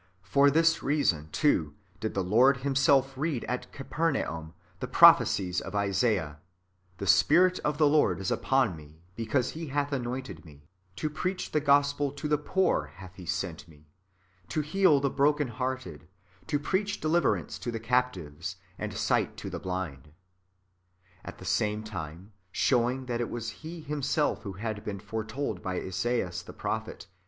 For this reason, too, did the Lord Him self read at Capernaum the prophecies of Isaiah :""'" The Spirit of the Lord is upon me, because He hath anointed me ; to preach the gospel to the poor hath He sent me, to heal the broken hearted, to preach deliverance to the captives, and sight to the blind." ^ At the same time, showing that it was H© Himself who had been foretold by Esaias the prophet.